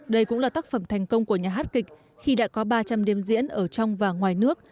đây cũng là tác phẩm thành công của nhà hát kịch khi đã có ba trăm linh điểm diễn ở trong và ngoài nước